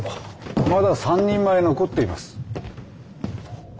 まだ３人前残っています。